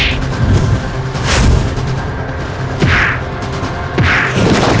ini adalah proses pengerah saat yang digelar